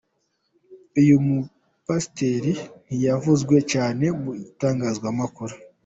Uyu mupasiteri ntiyavuzwe cyane mu itangazamakuru.